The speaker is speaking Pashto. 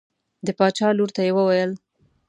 د باچا لور ته یې وویل.